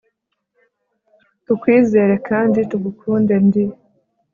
tukwizere kandi tugukunde, ndi